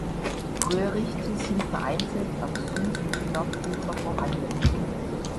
Röhrichte sind vereinzelt am Süd- und Nordufer vorhanden.